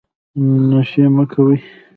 نشې مه کوئ